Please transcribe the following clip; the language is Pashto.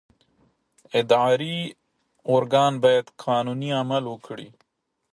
اداري ارګان باید قانوني عمل وکړي.